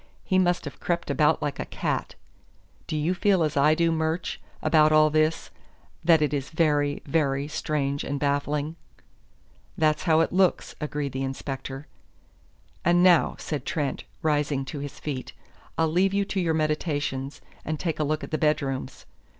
He must have crept about like a cat.... Do you feel as I do, Murch, about all this: that it is very, very strange and baffling?" "That's how it looks," agreed the inspector. "And now," said Trent, rising to his feet, "I'll leave you to your meditations, and take a look at the bedrooms.